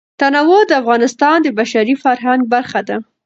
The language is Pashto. تنوع د افغانستان د بشري فرهنګ برخه ده.